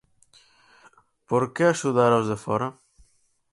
Por que axudar aos de fóra?